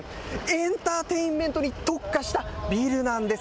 エンターテインメントに特化したビルなんです。